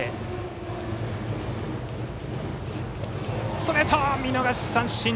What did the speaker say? ストレート、見逃し三振。